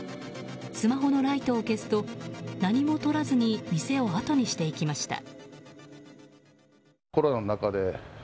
スマホのライトを消すと何もとらずに店をあとにしていきました。